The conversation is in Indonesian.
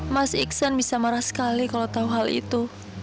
mas iksan bisa marah sekali kalau tahu hal itu